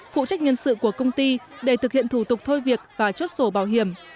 phụ trách nhân sự của công ty để thực hiện thủ tục thôi việc và chốt sổ bảo hiểm